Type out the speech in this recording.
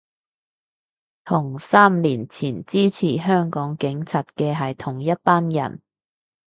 同三年前支持香港警察嘅係同一班人